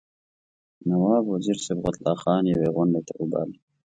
نواب وزیر صبغت الله خان یوې غونډې ته وباله.